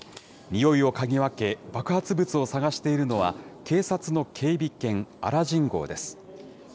臭いを嗅ぎ分け、爆発物を探しているのは、警察の警備犬、アラジン号です。